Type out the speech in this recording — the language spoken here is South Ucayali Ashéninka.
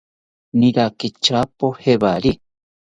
Niraki tyapo jawari